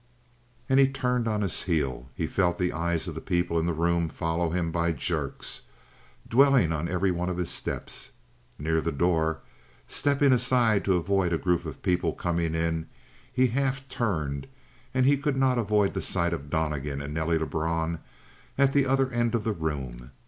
And he turned on his heel. He felt the eyes of the people in the room follow him by jerks, dwelling on every one of his steps. Near the door, stepping aside to avoid a group of people coming in, he half turned and he could not avoid the sight of Donnegan and Nelly Lebrun at the other end of the room.